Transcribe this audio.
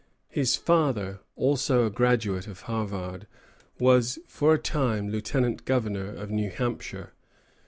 His father, also a graduate of Harvard, was for a time lieutenant governor of New Hampshire.